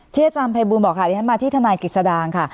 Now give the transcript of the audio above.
เทียดจำภัยบูรณ์บอกคราวนี้มาที่ธนายกิจสดางค่ะ